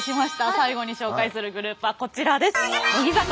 最後に紹介するグループはこちらです。